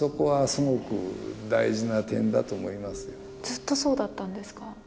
ずっとそうだったんですか？